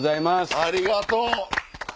ありがとう！